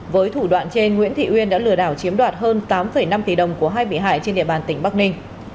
với thủ đoạn trên nguyễn thị uyên đã lừa đảo chiếm đoạt hơn tám năm tỷ đồng của hai bị hại trên địa bàn tỉnh bắc ninh